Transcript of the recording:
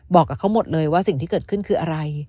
บอกกับเขาหมดเลยว่าสิ่งที่เกิดขึ้นคืออะไร